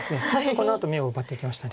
このあと眼を奪っていきました。